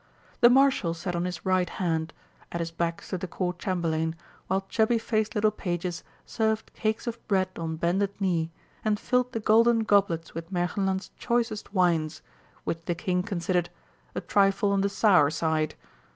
The Marshal sat on his right hand; at his back stood the Court Chamberlain, while chubby faced little pages served cakes of bread on bended knee, and filled the golden goblets with Märchenland's choicest wines, which the King considered "a trifle on the sour side."